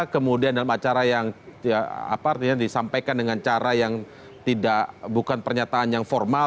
kemudian dalam acara yang disampaikan dengan cara yang bukan pernyataan yang formal